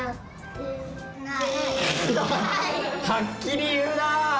はっきり言うなぁ。